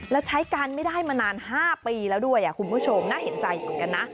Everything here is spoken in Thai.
แล้วใช้กันไม่ได้มานาน๕ปีแล้วด้วยคุณผู้ชมน่าเห็นใจเหมือนกันนะ